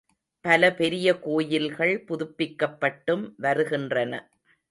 பல பெரிய கோயில்கள் புதுப்பிக்கப் பட்டும் வருகின்றன.